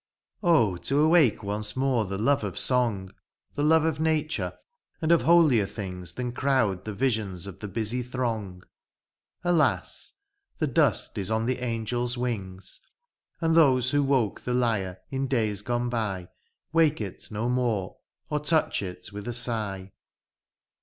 Oh ! to awake once more the love of song. The loye of nature, and of holier things Than crowd the visions of the busy throng : Alas ! the dust is on the angel's wings, And those who woke the lyre in days gone by Wake it no more, or touch it with a sigh.